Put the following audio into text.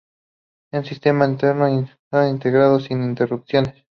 El sistema entero es interactivo, integrado y sin interrupciones.